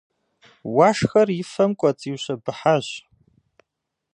Уашхэр и фэм кӏуэцӏиущэбыхьащ.